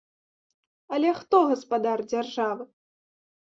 Але хто гаспадар дзяржавы?